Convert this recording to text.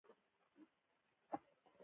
دویم د اغزیو او خس په لټه کې ګرځي.